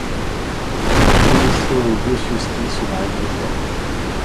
Przemysław Gosiewski se marie deux fois.